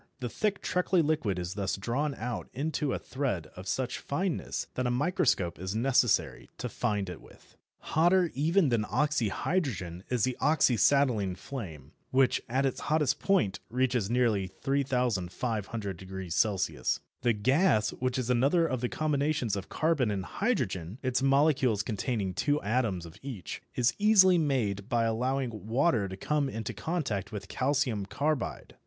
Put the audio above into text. The thick treacly liquid is thus drawn out into a thread of such fineness that a microscope is necessary to find it with. Hotter even than oxyhydrogen is the oxyacetylene flame, which at its hottest point reaches nearly 3500° C. The gas, which is another of the combinations of carbon and hydrogen (its molecules containing two atoms of each), is easily made by allowing water to come into contact with calcium carbide.